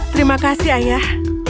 terima kasih ayah